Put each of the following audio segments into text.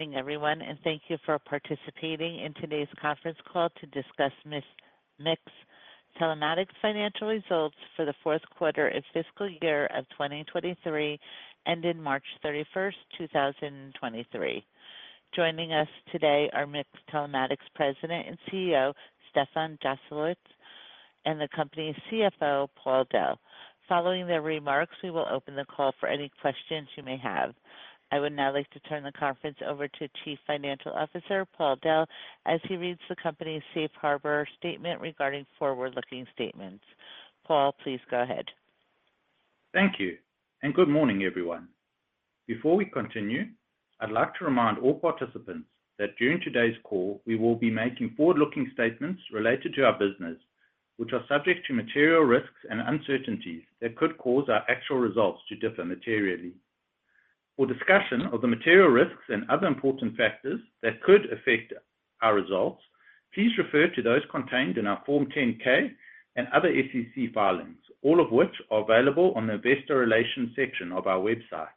Good evening, everyone. Thank you for participating in today's conference call to discuss MiX Telematics financial results for the fourth quarter and fiscal year of 2023, ended March 31st, 2023. Joining us today are MiX Telematics President and CEO, Stefan Joselowitz, and the company's CFO, Paul Dell. Following their remarks, we will open the call for any questions you may have. I would now like to turn the conference over to Chief Financial Officer, Paul Dell, as he reads the company's safe harbor statement regarding forward-looking statements. Paul, please go ahead. Thank you, and good morning, everyone. Before we continue, I'd like to remind all participants that during today's call, we will be making forward-looking statements related to our business, which are subject to material risks and uncertainties that could cause our actual results to differ materially. For discussion of the material risks and other important factors that could affect our results, please refer to those contained in our Form 10-K and other SEC filings, all of which are available on the Investor Relations section of our website.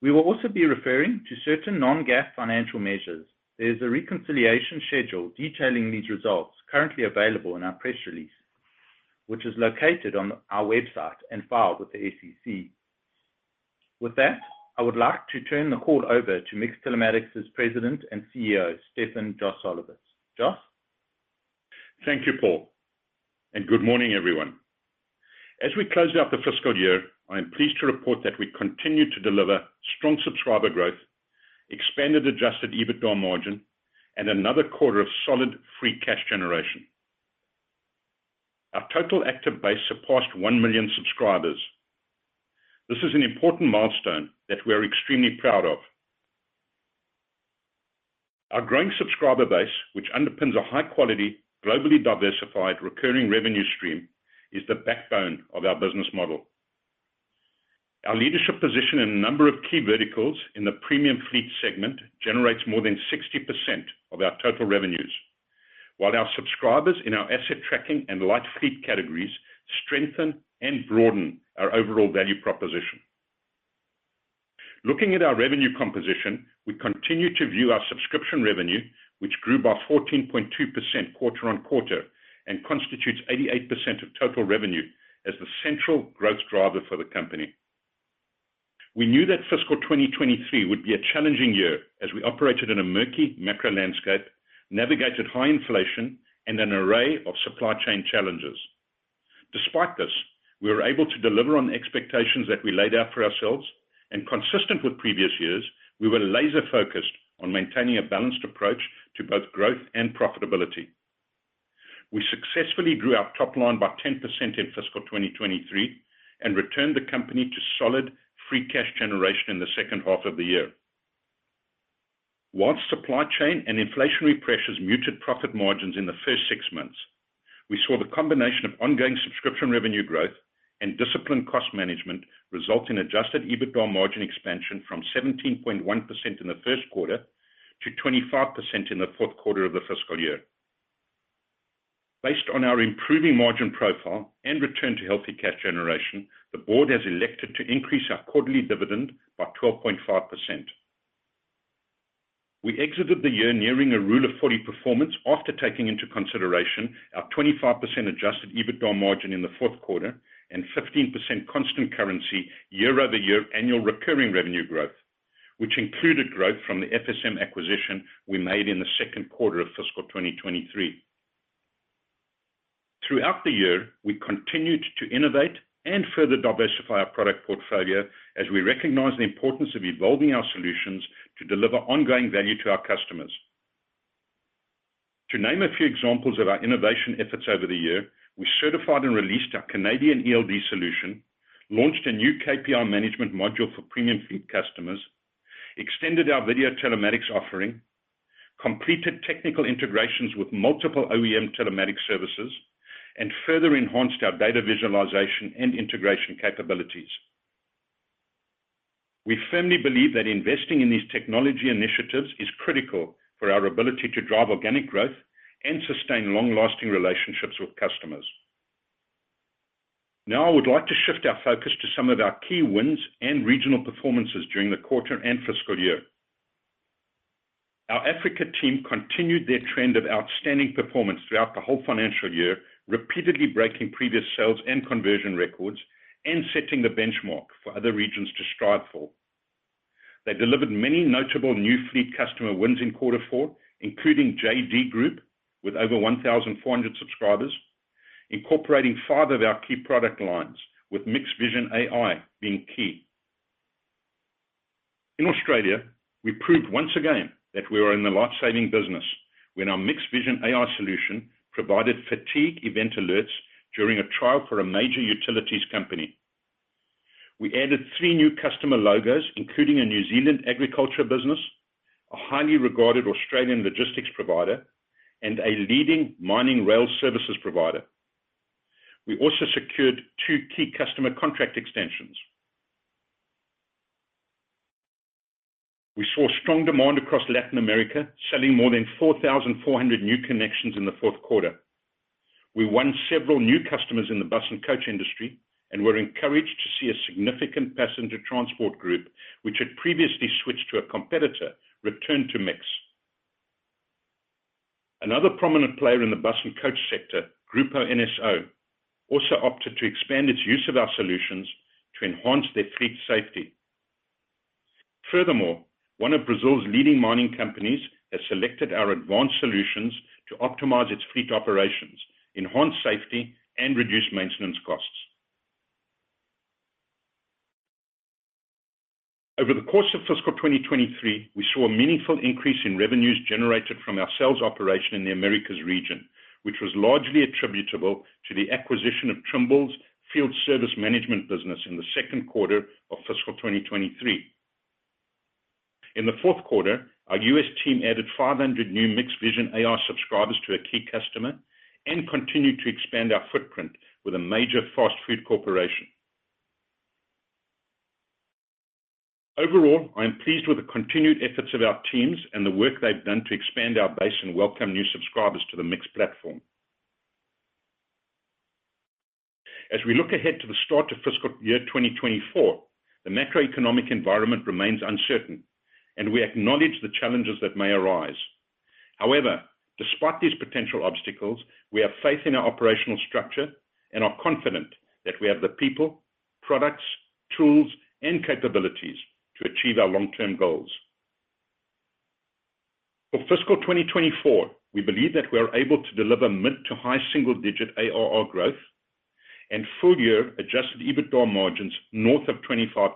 We will also be referring to certain non-GAAP financial measures. There is a reconciliation schedule detailing these results currently available in our press release, which is located on our website and filed with the SEC. With that, I would like to turn the call over to MiX Telematics's President and CEO, Stefan Joselowitz. Jos? Thank you, Paul. Good morning, everyone. As we close out the fiscal year, I am pleased to report that we continued to deliver strong subscriber growth, expanded Adjusted EBITDA margin, and another quarter of solid free cash generation. Our total active base surpassed 1 million subscribers. This is an important milestone that we are extremely proud of. Our growing subscriber base, which underpins a high quality, globally diversified, recurring revenue stream, is the backbone of our business model. Our leadership position in a number of key verticals in the Premium Fleet segment generates more than 60% of our total revenues, while our subscribers in our Asset Tracking and Light Fleet categories strengthen and broaden our overall value proposition. Looking at our revenue composition, we continue to view our Subscription Revenue, which grew by 14.2% quarter-on-quarter and constitutes 88% of total revenue as the central growth driver for the company. We knew that fiscal 2023 would be a challenging year as we operated in a murky macro landscape, navigated high inflation, and an array of supply chain challenges. Despite this, we were able to deliver on the expectations that we laid out for ourselves, and consistent with previous years, we were laser-focused on maintaining a balanced approach to both growth and profitability. We successfully grew our top line by 10% in fiscal 2023 and returned the company to solid free cash generation in the second half of the year. While supply chain and inflationary pressures muted profit margins in the first six months, we saw the combination of ongoing subscription revenue growth and disciplined cost management result in Adjusted EBITDA margin expansion from 17.1% in the first quarter to 25% in the fourth quarter of the fiscal year. Based on our improving margin profile and return to healthy cash generation, the board has elected to increase our quarterly dividend by 12.5%. We exited the year nearing a Rule of 40 performance after taking into consideration our 25% Adjusted EBITDA margin in the fourth quarter and 15% constant currency year-over-year annual recurring revenue growth, which included growth from the FSM acquisition we made in the second quarter of fiscal 2023. Throughout the year, we continued to innovate and further diversify our product portfolio as we recognize the importance of evolving our solutions to deliver ongoing value to our customers. To name a few examples of our innovation efforts over the year, we certified and released our Canadian ELD solution, launched a new KPI management module for Premium Fleet customers, extended our video telematics offering, completed technical integrations with multiple OEM telematics services, and further enhanced our data visualization and integration capabilities. We firmly believe that investing in these technology initiatives is critical for our ability to drive organic growth and sustain long-lasting relationships with customers. I would like to shift our focus to some of our key wins and regional performances during the quarter and fiscal year. Our Africa team continued their trend of outstanding performance throughout the whole financial year, repeatedly breaking previous sales and conversion records and setting the benchmark for other regions to strive for. They delivered many notable new fleet customer wins in quarter four, including JD Group, with over 1,400 subscribers, incorporating five of our key product lines, with MiX Vision AI being key. In Australia, we proved once again that we are in the life-saving business, when our MiX Vision AI solution provided fatigue event alerts during a trial for a major utilities company. We added three new customer logos, including a New Zealand agriculture business, a highly regarded Australian logistics provider, and a leading mining rail services provider. We also secured two key customer contract extensions. We saw strong demand across Latin America, selling more than 4,400 new connections in the fourth quarter.... We won several new customers in the bus and coach industry, we're encouraged to see a significant passenger transport group, which had previously switched to a competitor, return to MiX. Another prominent player in the bus and coach sector, Grupo NSÓ, also opted to expand its use of our solutions to enhance their fleet safety. One of Brazil's leading mining companies has selected our advanced solutions to optimize its fleet operations, enhance safety, and reduce maintenance costs. Over the course of fiscal 2023, we saw a meaningful increase in revenues generated from our sales operation in the Americas region, which was largely attributable to the acquisition of Trimble's Field Service Management business in the second quarter of fiscal 2023. In the fourth quarter, our U.S. team added 500 new MiX Vision AI subscribers to a key customer and continued to expand our footprint with a major fast food corporation. Overall, I am pleased with the continued efforts of our teams and the work they've done to expand our base and welcome new subscribers to the MiX platform. We look ahead to the start of fiscal year 2024, the macroeconomic environment remains uncertain. We acknowledge the challenges that may arise. Despite these potential obstacles, we have faith in our operational structure and are confident that we have the people, products, tools, and capabilities to achieve our long-term goals. For fiscal 2024, we believe that we are able to deliver mid to high single-digit ARR growth and full-year Adjusted EBITDA margins north of 25%.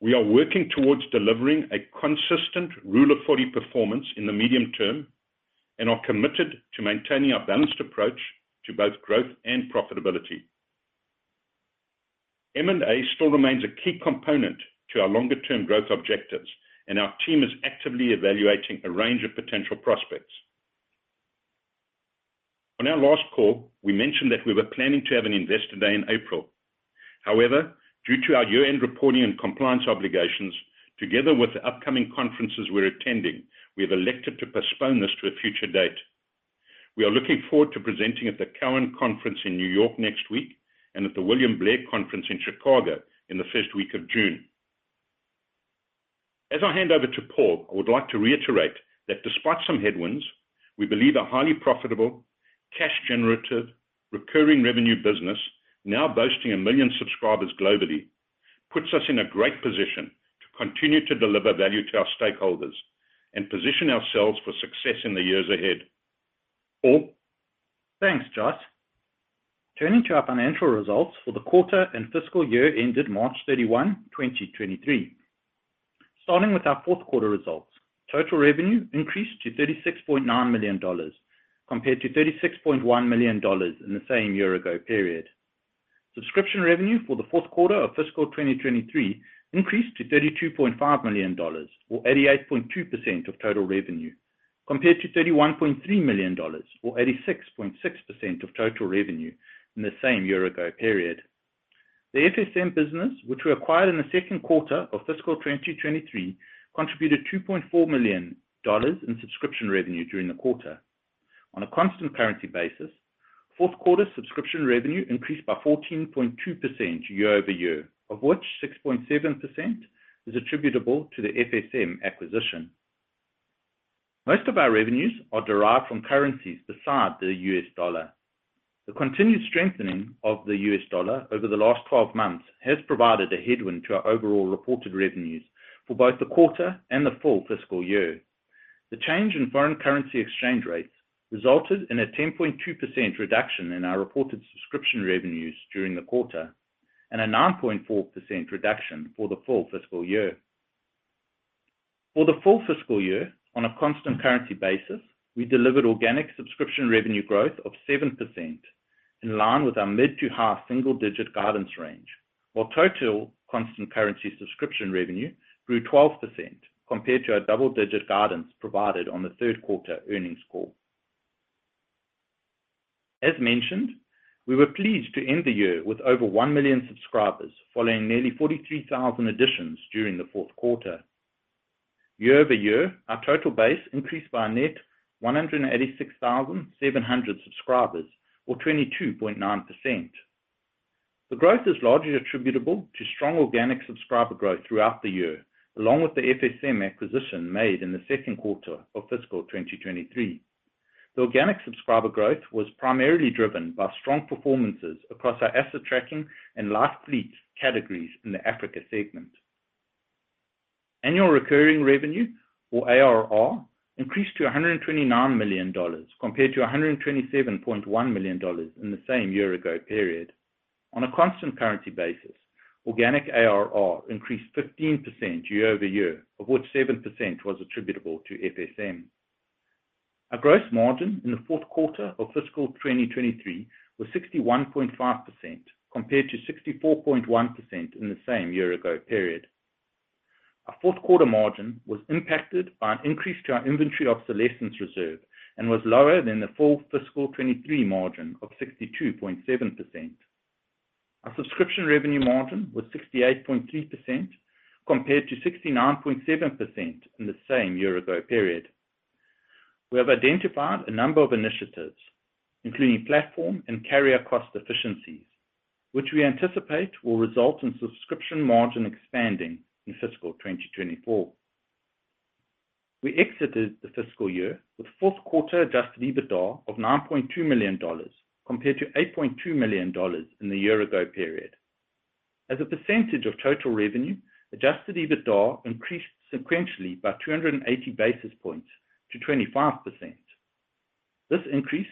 We are working towards delivering a consistent Rule of 40 performance in the medium term, and are committed to maintaining a balanced approach to both growth and profitability. M&A still remains a key component to our longer term growth objectives, and our team is actively evaluating a range of potential prospects. On our last call, we mentioned that we were planning to have an investor day in April. However, due to our year-end reporting and compliance obligations, together with the upcoming conferences we're attending, we have elected to postpone this to a future date. We are looking forward to presenting at the Cowen conference in New York next week, and at the William Blair Conference in Chicago in the first week of June. As I hand over to Paul, I would like to reiterate that despite some headwinds, we believe a highly profitable, cash generative, recurring revenue business, now boasting 1 million subscribers globally, puts us in a great position to continue to deliver value to our stakeholders and position ourselves for success in the years ahead. Paul? Thanks, Jos. Turning to our financial results for the quarter and fiscal year ended March 31, 2023. Starting with our fourth quarter results, total revenue increased to $36.9 million, compared to $36.1 million in the same year-ago period. Subscription Revenue for the fourth quarter of fiscal 2023 increased to $32.5 million, or 88.2% of total revenue, compared to $31.3 million, or 86.6% of total revenue in the same year-ago period. The FSM business, which we acquired in the second quarter of fiscal 2023, contributed $2.4 million in Subscription Revenue during the quarter. On a constant currency basis, fourth quarter Subscription Revenue increased by 14.2% year-over-year, of which 6.7% is attributable to the FSM acquisition. Most of our revenues are derived from currencies beside the US dollar. The continued strengthening of the US dollar over the last 12 months has provided a headwind to our overall reported revenues for both the quarter and the full fiscal year. The change in foreign currency exchange rates resulted in a 10.2% reduction in our reported subscription revenues during the quarter, and a 9.4% reduction for the full fiscal year. For the full fiscal year, on a constant currency basis, we delivered organic Subscription Revenue growth of 7%, in line with our mid to high single-digit guidance range, while total constant currency Subscription Revenue grew 12% compared to our double-digit guidance provided on the third quarter earnings call. As mentioned, we were pleased to end the year with over 1 million subscribers, following nearly 43,000 additions during the fourth quarter. Year-over-year, our total base increased by a net 186,700 subscribers, or 22.9%. The growth is largely attributable to strong organic subscriber growth throughout the year, along with the FSM acquisition made in the second quarter of fiscal 2023. The organic subscriber growth was primarily driven by strong performances across our Asset Tracking and life fleet categories in the Africa segment. Annual recurring revenue, or ARR, increased to $129 million, compared to $127.1 million in the same year-ago period. On a constant currency basis, organic ARR increased 15% year-over-year, of which 7% was attributable to FSM. Our gross margin in the fourth quarter of fiscal 2023 was 61.5%, compared to 64.1% in the same year-ago period. Our fourth quarter margin was impacted by an increase to our inventory obsolescence reserve and was lower than the full fiscal 2023 margin of 62.7%. Our Subscription Revenue Margin was 68.3%, compared to 69.7% in the same year-ago period. We have identified a number of initiatives, including platform and carrier cost efficiencies, which we anticipate will result in subscription margin expanding in fiscal 2024. We exited the fiscal year with fourth quarter Adjusted EBITDA of $9.2 million, compared to $8.2 million in the year-ago period. As a percentage of total revenue, Adjusted EBITDA increased sequentially by 280 basis points to 25%. This increase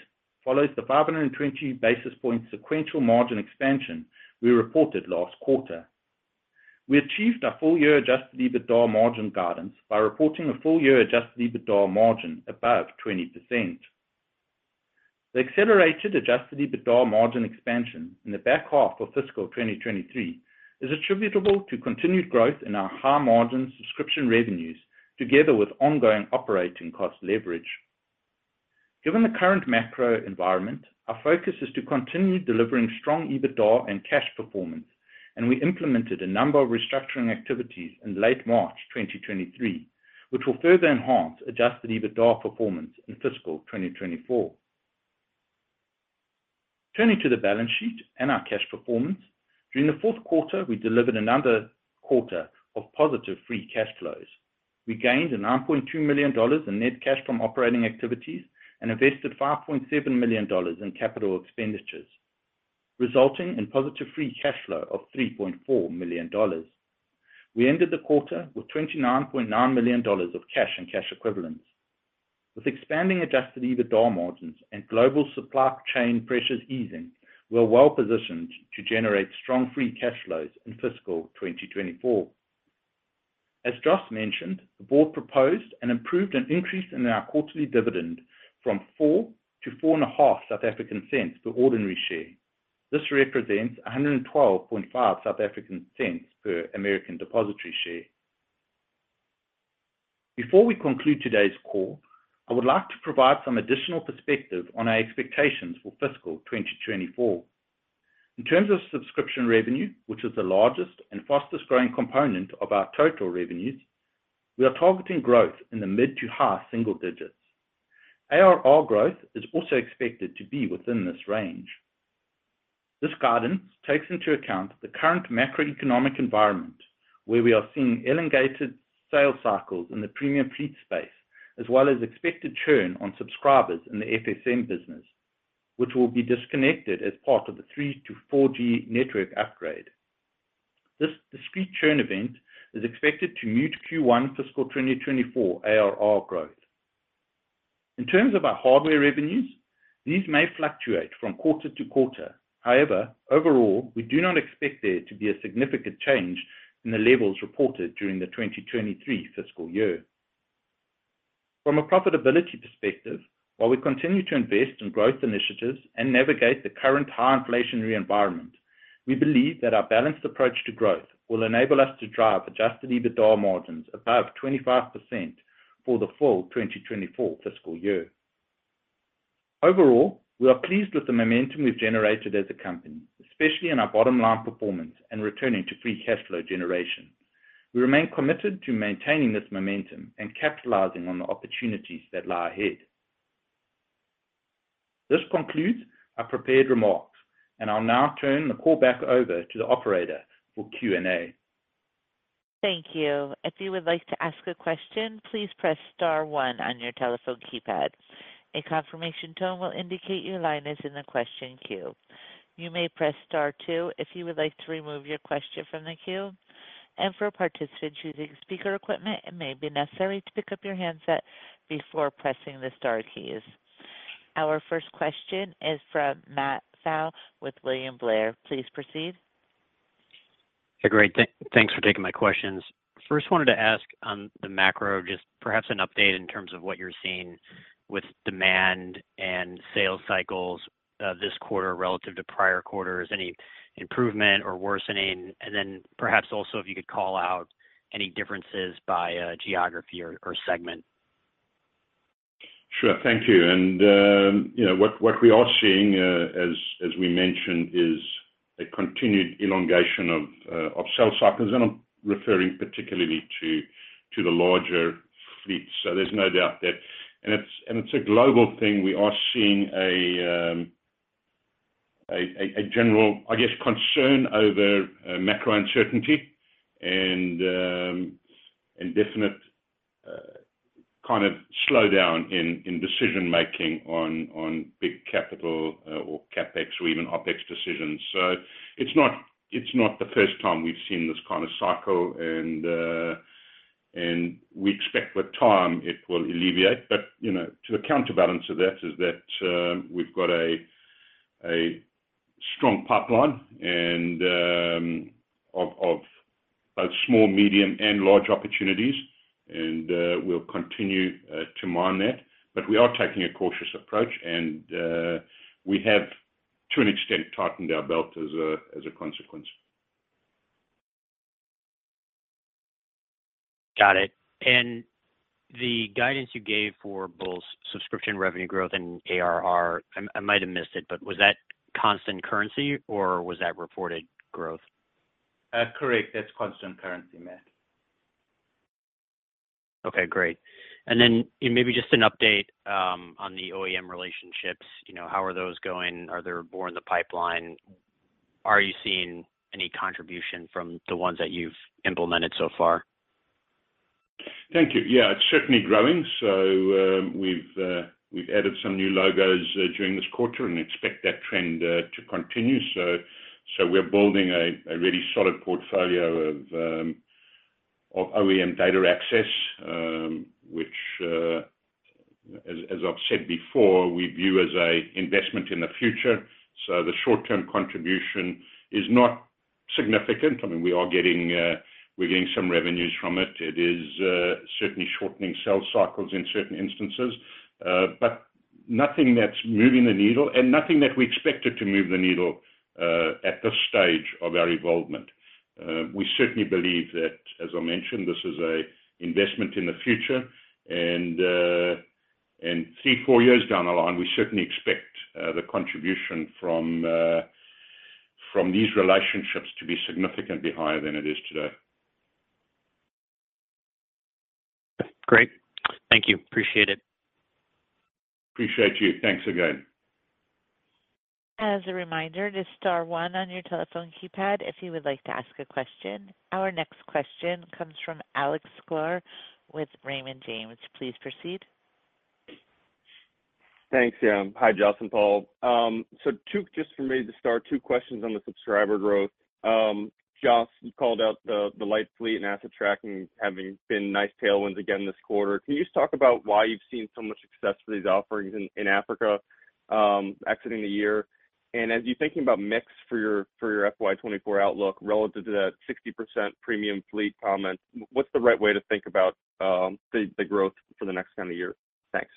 follows the 520 basis-point sequential margin expansion we reported last quarter. We achieved our full year Adjusted EBITDA margin guidance by reporting a full year Adjusted EBITDA margin above 20%. The accelerated Adjusted EBITDA margin expansion in the back half of fiscal 2023 is attributable to continued growth in our high margin subscription revenues, together with ongoing operating cost leverage. Given the current macro environment, our focus is to continue delivering strong EBITDA and cash performance, and we implemented a number of restructuring activities in late March 2023, which will further enhance Adjusted EBITDA performance in fiscal 2024. Turning to the balance sheet and our cash performance. During the fourth quarter, we delivered another quarter of positive free cash flows. We gained $9.2 million in net cash from operating activities and invested $5.7 million in CapEx, resulting in positive free cash flow of $3.4 million. We ended the quarter with $29.9 million of cash and cash equivalents. With expanding Adjusted EBITDA margins and global supply chain pressures easing, we're well positioned to generate strong free cash flows in fiscal 2024. As Jos mentioned, the board proposed and improved an increase in our quarterly dividend from 0.04 to 0.05 per ordinary share. This represents 1.125 per American Depositary Share. Before we conclude today's call, I would like to provide some additional perspective on our expectations for fiscal 2024. In terms of subscription revenue, which is the largest and fastest growing component of our total revenues, we are targeting growth in the mid-to-high single digits. ARR growth is also expected to be within this range. This guidance takes into account the current macroeconomic environment, where we are seeing elongated sales cycles in the Premium Fleet space, as well as expected churn on subscribers in the FSM business, which will be disconnected as part of the 3G to 4G network upgrade. This discrete churn event is expected to mute Q1 fiscal 2024 ARR growth. In terms of our hardware revenues, these may fluctuate from quarter to quarter. Overall, we do not expect there to be a significant change in the levels reported during the 2023 fiscal year. From a profitability perspective, while we continue to invest in growth initiatives and navigate the current high inflationary environment, we believe that our balanced approach to growth will enable us to drive Adjusted EBITDA margins above 25% for the full 2024 fiscal year. Overall, we are pleased with the momentum we've generated as a company, especially in our bottom line performance and returning to free cash flow generation. We remain committed to maintaining this momentum and capitalizing on the opportunities that lie ahead. This concludes our prepared remarks. I'll now turn the call back over to the Operator for Q&A. Thank you. If you would like to ask a question, please press star one on your telephone keypad. A confirmation tone will indicate your line is in the question queue. You may press star two if you would like to remove your question from the queue. For participants using speaker equipment, it may be necessary to pick up your handset before pressing the star keys. Our first question is from Matt Pfau with William Blair. Please proceed. Great, thanks for taking my questions. First, wanted to ask on the macro, just perhaps an update in terms of what you're seeing with demand and sales cycles, this quarter relative to prior quarters. Any improvement or worsening? Then perhaps also if you could call out any differences by geography or segment. Sure. Thank you. You know, what we are seeing, as we mentioned, is a continued elongation of sales cycles, and I'm referring particularly to the larger fleets. There's no doubt that. And it's a global thing. We are seeing a general, I guess, concern over macro uncertainty and a definite kind of slowdown in decision-making on big capital or CapEx or even OpEx decisions. It's not the first time we've seen this kind of cycle, and we expect with time it will alleviate. You know, to the counterbalance of that is that we've got a strong pipeline and of both small, medium, and large opportunities, and we'll continue to mine that. We are taking a cautious approach, and we have, to an extent, tightened our belt as a consequence. Got it. The guidance you gave for both Subscription Revenue growth and ARR, I might have missed it, but was that constant currency or was that reported growth? Correct, that's constant currency, Matt. Okay, great. Maybe just an update, on the OEM relationships, you know, how are those going? Are there more in the pipeline? Are you seeing any contribution from the ones that you've implemented so far? Thank you. Yeah, it's certainly growing. We've added some new logos during this quarter and expect that trend to continue. We're building a really solid portfolio of OEM data access, which as I've said before, we view as a investment in the future. The short-term contribution is not significant. I mean, we are getting, we're getting some revenues from it. It is certainly shortening sales cycles in certain instances, but nothing that's moving the needle and nothing that we expected to move the needle at this stage of our involvement. We certainly believe that, as I mentioned, this is a investment in the future, and three, four years down the line, we certainly expect, the contribution from these relationships to be significantly higher than it is today. Great. Thank you. Appreciate it. Appreciate you. Thanks again. As a reminder, just star one on your telephone keypad if you would like to ask a question. Our next question comes from Alex Sklar with Raymond James. Please proceed. Thanks. Yeah. Hi, Jos and Paul. Just for me to start, two questions on the subscriber growth. Jos, you called out the Light Fleet and Asset Tracking having been nice tailwinds again this quarter. Can you just talk about why you've seen so much success for these offerings in Africa, exiting the year? As you're thinking about mix for your, for your FY 2024 outlook relative to that 60% Premium Fleet comment, what's the right way to think about the growth for the next kind of year? Thanks.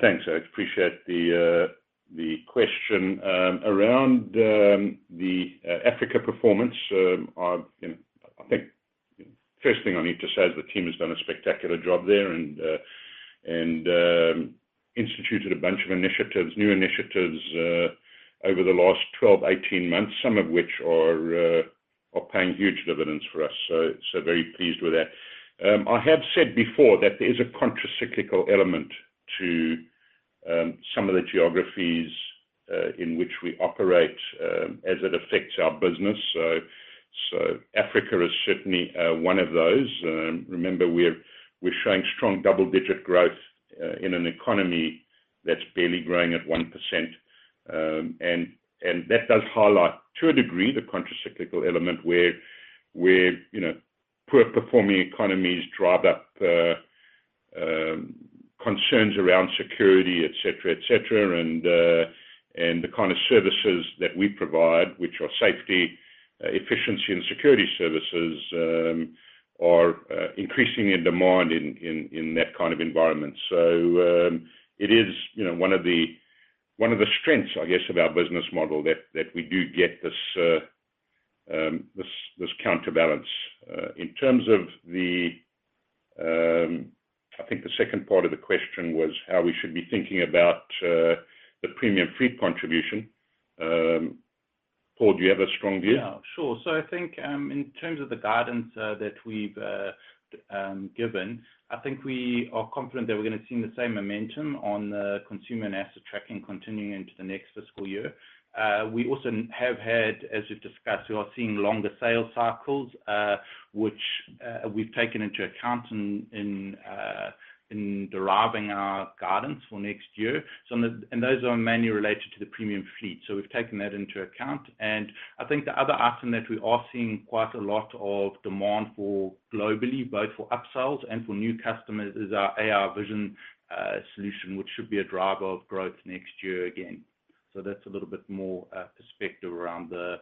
Thanks, Alex. Appreciate the question. Around the Africa performance, I, you know, I think first thing I need to say is the team has done a spectacular job there and instituted a bunch of initiatives, new initiatives, over the last 12, 18 months, some of which are paying huge dividends for us, very pleased with that. I have said before that there is a contra-cyclical element to some of the geographies in which we operate, as it affects our business. Africa is certainly one of those. Remember, we're showing strong double-digit growth in an economy that's barely growing at 1%. That does highlight, to a degree, the contra-cyclical element where, you know, poor performing economies drive up the concerns around security, et cetera. The kind of services that we provide, which are safety, efficiency, and security services, are increasing in demand in that kind of environment. It is, you know, one of the strengths, I guess, of our business model that we do get this counterbalance. In terms of the, I think the second part of the question was how we should be thinking about the Premium Fleet contribution. Paul, do you have a strong view? Yeah, sure. I think, in terms of the guidance that we've given, I think we are confident that we're gonna see the same momentum on the consumer and Asset Tracking continuing into the next fiscal year. We also have had, as we've discussed, we are seeing longer sales cycles, which we've taken into account in deriving our guidance for next year. Those are mainly related to the Premium Fleet, so we've taken that into account. I think the other item that we are seeing quite a lot of demand for globally, both for upsells and for new customers, is our AI Vision solution, which should be a driver of growth next year again. That's a little bit more perspective around the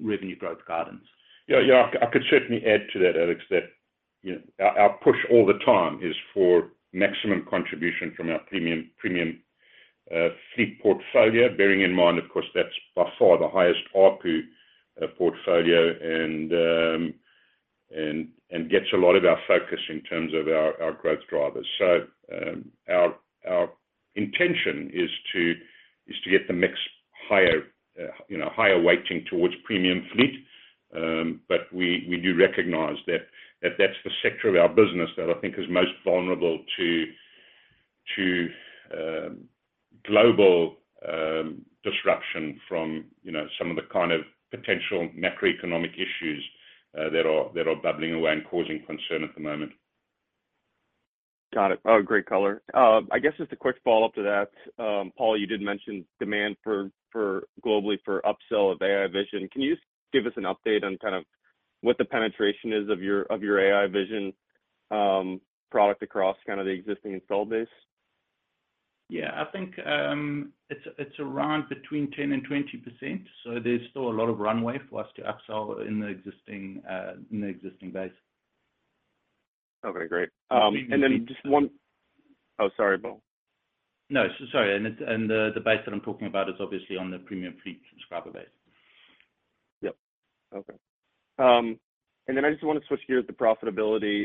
revenue growth guidance. Yeah, I could certainly add to that, Alex, that, you know, our push all the time is for maximum contribution from our Premium Fleet portfolio. Bearing in mind, of course, that's by far the highest ARPU portfolio and gets a lot of our focus in terms of our growth drivers. Our intention is to get the mix higher, you know, higher weighting towards Premium Fleet. We do recognize that that's the sector of our business that I think is most vulnerable to global disruption from, you know, some of the kind of potential macroeconomic issues that are bubbling away and causing concern at the moment. Got it. Oh, great color. I guess just a quick follow-up to that. Paul, you did mention demand for globally for upsell of AI Vision. Can you give us an update on kind of what the penetration is of your AI Vision product across kind of the existing installed base? I think, it's around between 10% and 20%. There's still a lot of runway for us to upsell in the existing, in the existing base. Okay, great. Then I just want— Oh, sorry, Paul. No, sorry. It's, and the base that I'm talking about is obviously on the Premium Fleet subscriber base. Yep. Okay. Then I just wanna switch gears to profitability.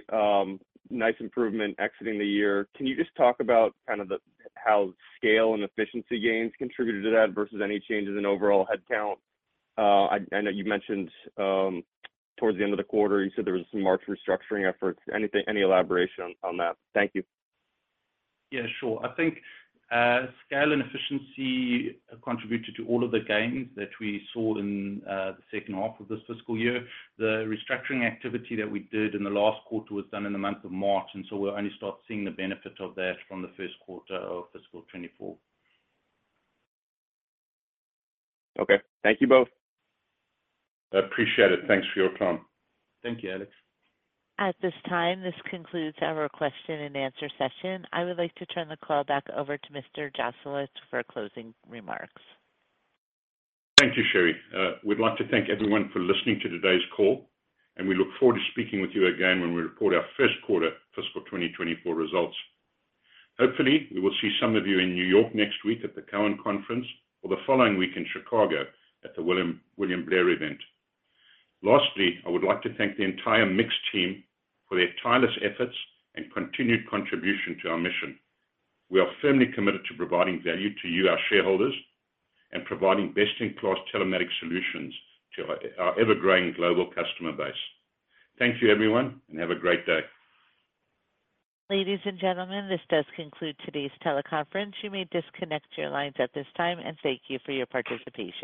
Nice improvement exiting the year. Can you just talk about kind of the, how scale and efficiency gains contributed to that versus any changes in overall headcount? I know you mentioned, towards the end of the quarter, you said there was some March restructuring efforts. Anything, any elaboration on that? Thank you. Yeah, sure. I think scale and efficiency contributed to all of the gains that we saw in the second half of this fiscal year. The restructuring activity that we did in the last quarter was done in the month of March, we'll only start seeing the benefit of that from the first quarter of fiscal 2024. Okay. Thank you both. I appreciate it. Thanks for your time. Thank you, Alex. At this time, this concludes our question-and-answer session. I would like to turn the call back over to Mr. Joselowitz for closing remarks. Thank you, Sherry. We'd like to thank everyone for listening to today's call, and we look forward to speaking with you again when we report our first quarter fiscal 2024 results. Hopefully, we will see some of you in New York next week at the Cowen conference, or the following week in Chicago at the William Blair event. Lastly, I would like to thank the entire MiX team for their tireless efforts and continued contribution to our mission. We are firmly committed to providing value to you, our shareholders, and providing best-in-class telematics solutions to our ever-growing global customer base. Thank you, everyone, and have a great day. Ladies and gentlemen, this does conclude today's teleconference. You may disconnect your lines at this time, and thank you for your participation.